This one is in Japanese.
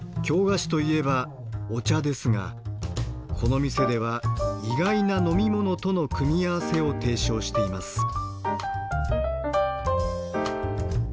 京菓子といえばお茶ですがこの店では意外な飲み物との組み合わせを提唱しています。